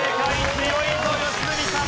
強いぞ良純さん。